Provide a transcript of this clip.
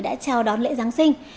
đã chào đón lễ giáng sinh